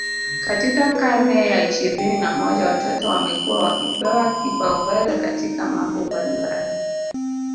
katika karne ya ishirini na moja watoto wamekuwa wakipewa kipaumbele katika mambo mbalimbali